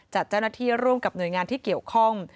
จัดเจ้าหน้าที่ร่วมกับหน่วยงานที่เกี่ยวข้อง